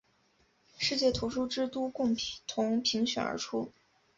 世界图书之都共同评选而出。